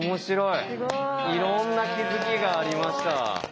いろんな気づきがありました。